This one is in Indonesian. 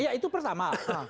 iya itu pertama